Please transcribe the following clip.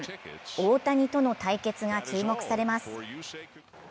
大谷との対決が注目されます。